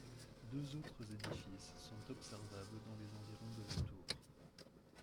Deux autres édifices sont observables dans les environs de la tour.